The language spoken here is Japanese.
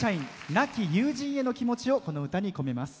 亡き友人への気持ちをこの歌に込めます。